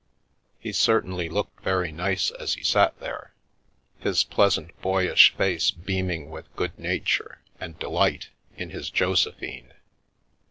" He certainly looked very nice as he sat there, his pleasant boyish face beaming with good nature and delight in his Josephine.